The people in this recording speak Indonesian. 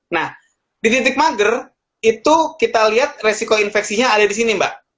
nah di titik mager itu kita liat resiko infeksinya ada disini mbak